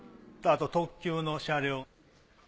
あと特急の車両。